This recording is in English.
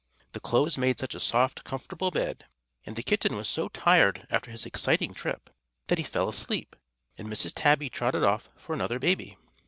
The clothes made such a soft, comfortable bed, and the kitten was so tired after his exciting trip, that he fell asleep, and Mrs. Tabby trotted off for another baby.